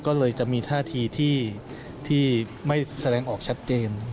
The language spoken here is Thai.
ก็เลยจะมีท่าทีที่ไม่แสดงออกชัดเจน